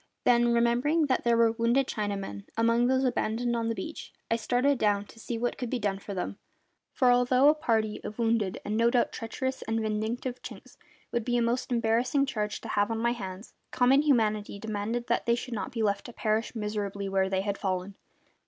Then, remembering that there were wounded Chinamen among those abandoned upon the beach, I started down to see what could be done for them; for although a party of wounded and no doubt treacherous and vindictive Chinks would be a most embarrassing charge to have on my hands, common humanity demanded that they should not be left to perish miserably where they had fallen.